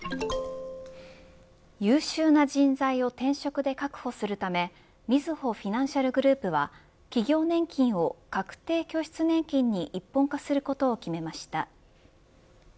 優秀な人材を転職で確保するためみずほフィナンシャルグループは企業年金を確定拠出年金に一本化することを決めました。